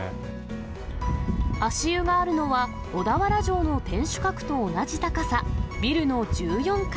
足湯があるのは、小田原城の天守閣と同じ高さ、ビルの１４階。